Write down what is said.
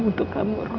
untuk kamu roy